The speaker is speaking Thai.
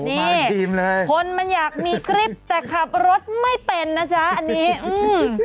นี่คนมันอยากมีคลิปแต่ขับรถไม่เป็นนะจ๊ะอันนี้อืม